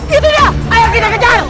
itu dia ayo kita kejar